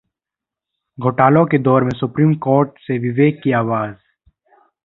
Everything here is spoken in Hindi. घोटालों के दौर में सुप्रीम कोर्ट से विवेक की आवाज